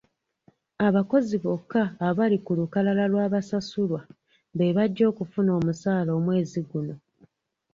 Abakozi bokka abali ku lukalala lw'abasasulwa be bajja okufuna omusaala omwezi guno.